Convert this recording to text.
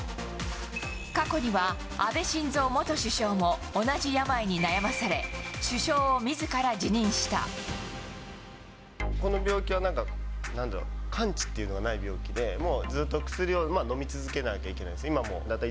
過去には、安倍晋三元首相も同じ病に悩まされ、この病気は、なんかなんだろう、完治っていうのがない病気で、もうずっと薬を飲み続けなきゃいけないんです。